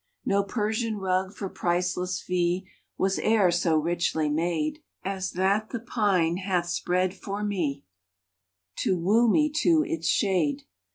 No Persian rug for priceless fee Was e er so richly made As that the pine hath spread for me To woo me to its shade.